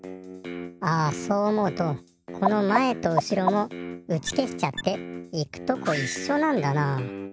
あそう思うとこのまえとうしろもうちけしちゃって行くとこいっしょなんだなあ。